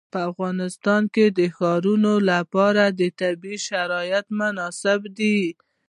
په افغانستان کې د ښارونه لپاره طبیعي شرایط مناسب دي.